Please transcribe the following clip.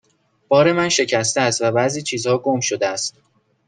بار من شکسته است و بعضی چیزها گم شده است.